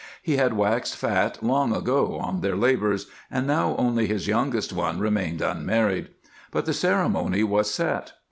He had waxed fat long ago on their labors, and now only this youngest one remained unmarried. But the ceremony was set.